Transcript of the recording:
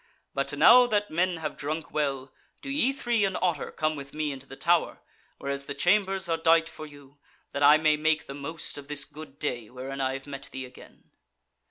But now that men have drunk well, do ye three and Otter come with me into the Tower, whereas the chambers are dight for you, that I may make the most of this good day wherein I have met thee again."